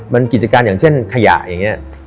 มันกิจการอย่างเช่นขยะอย่างนี้